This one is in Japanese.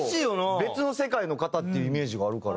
別の世界の方っていうイメージがあるから。